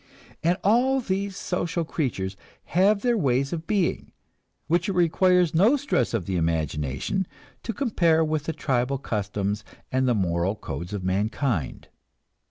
And all these social creatures have their ways of being, which it requires no stress of the imagination to compare with the tribal customs and the moral codes of mankind.